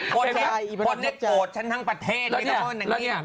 คนโดรดฉันทั้งประเทศเนี้ย